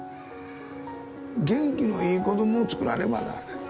元気のいい子どもをつくらねばならない。